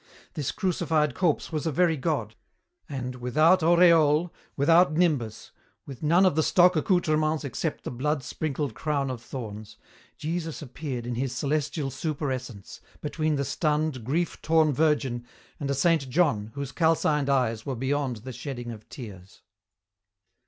This crucified corpse was a very God, and, without aureole, without nimbus, with none of the stock accoutrements except the blood sprinkled crown of thorns, Jesus appeared in His celestial super essence, between the stunned, grief torn Virgin and a Saint John whose calcined eyes were beyond the shedding of tears.